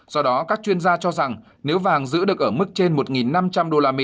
do đó các chuyên gia cho rằng nếu vàng giữ được ở mức trên một năm trăm linh usd